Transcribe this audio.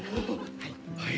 はい。